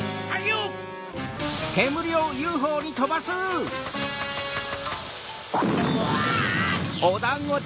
うわ！